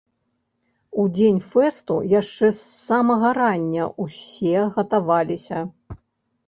У дзень фэсту яшчэ з самага рання ўсе гатаваліся.